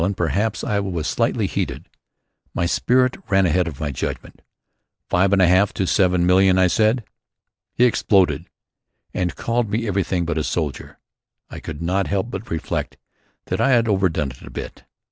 And perhaps I was slightly heated. My spirit ran ahead of my judgment. "Five and a half to seven million," I said. He exploded. And called me everything but a soldier. I could not help but reflect that I had overdone it a bit.